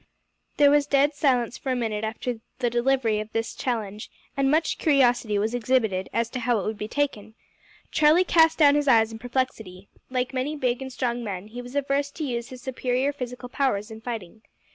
There was dead silence for a minute after the delivery of this challenge, and much curiosity was exhibited as to how it would be taken. Charlie cast down his eyes in perplexity. Like many big and strong men he was averse to use his superior physical powers in fighting.